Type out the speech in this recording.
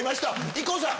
ＩＫＫＯさん